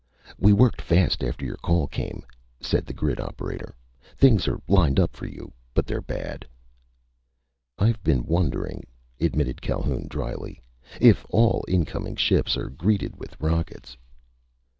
"We worked fast after your call came!" said the grid operator. "Things are lined up for you, but they're bad!" "I've been wondering," admitted Calhoun dryly, "if all incoming ships are greeted with rockets."